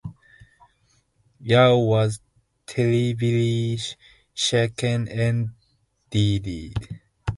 Yao was terribly shaken and died.